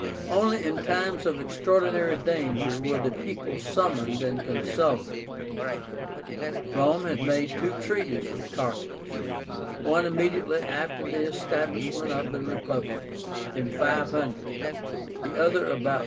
Only in times of extraordinary danger were the people summoned and consulted. Rome had made two treaties with Carthage; one immediately after the establishment of the Republic, in 500, the other about 340.